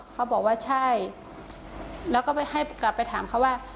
เขาบอกว่าใช่แล้วก็ไปให้กลับไปถามเขาว่า